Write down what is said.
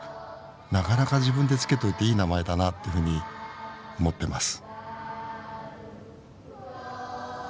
なかなか自分で付けといていい名前だなっていうふうに思ってます。